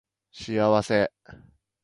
幸せ